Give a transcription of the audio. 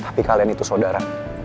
tapi kalian itu saudara